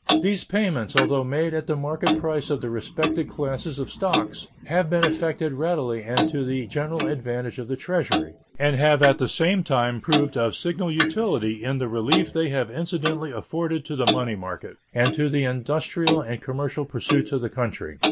These payments, although made at the market price of the respective classes of stocks, have been effected readily and to the general advantage of the Treasury, and have at the same time proved of signal utility in the relief they have incidentally afforded to the money market and to the industrial and commercial pursuits of the country.